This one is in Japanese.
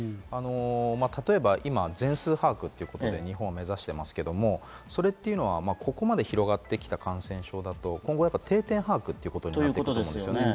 例えば今、全数把握ということで日本は目指していますけれども、それはここまで広がってきた感染症だと今後、定点把握ということもあります。